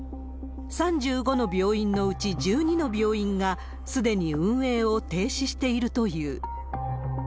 ３５の病院のうち１２の病院がすでに運営を停止しているという。